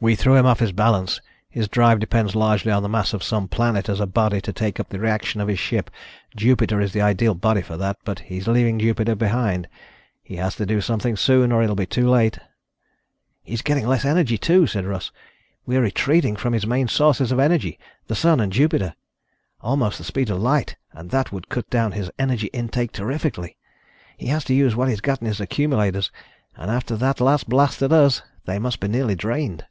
"We threw him off his balance. His drive depends largely on the mass of some planet as a body to take up the reaction of his ship. Jupiter is the ideal body for that ... but he's leaving Jupiter behind. He has to do something soon or it'll be too late." "He's getting less energy, too," said Russ. "We're retreating from his main sources of energy, the Sun and Jupiter. Almost the speed of light and that would cut down his energy intake terrifically. He has to use what he's got in his accumulators, and after that last blast at us, they must be nearly drained."